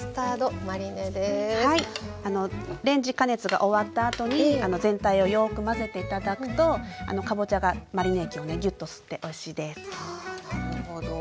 レンジ加熱が終わったあとに全体をよく混ぜて頂くとかぼちゃがマリネ液をねぎゅっと吸っておいしいです。はなるほど。